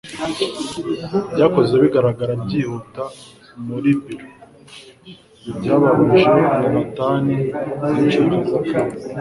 byakozwe bigaragara byihuta muri biro, byababaje yonatani; byinshi byiza kandi